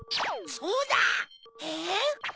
そうだ！えっ？